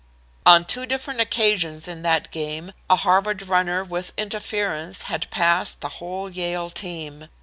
On two different occasions in that game a Harvard runner with interference had passed the whole Yale team.